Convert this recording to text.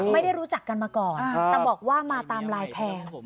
ไม่ได้รู้จักกันมาก่อนแต่บอกว่ามาตามไลน์แทง